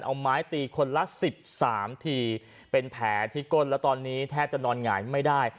เอาไม้ตีคนละ๑๓ทีเป็นแผลที่ก้นแล้วตอนนี้แทบจะนอนหงายไม่ได้